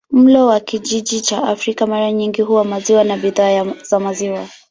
Mlo wa kijiji cha Afrika mara nyingi huwa maziwa na bidhaa za maziwa.